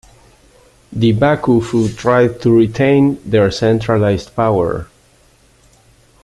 The bakufu tried to retain their centralized power.